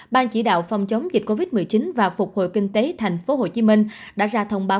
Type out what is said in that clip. ban chỉ đạo phòng chống dịch covid một mươi chín và phục hồi kinh tế tp hcm đã ra thông báo